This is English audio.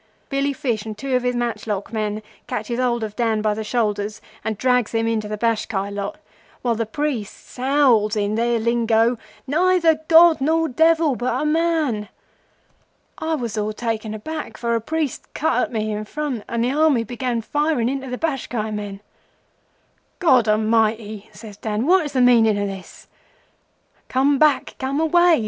Billy Fish and two of his matchlock men catches hold of Dan by the shoulders and drags him into the Bashkai lot, while the priests howls in their lingo,—'Neither god nor devil but a man!' I was all taken aback, for a priest cut at me in front, and the Army behind began firing into the Bashkai men. "'God A mighty!' says Dan. 'What is the meaning o' this?' "'Come back! Come away!